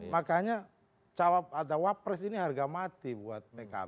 makanya cak imin wapres ini harga mati buat pkb